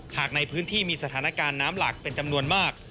หากในพื้นที่มีสถานการณ์น้ำหลักเป็นจำนวนมาก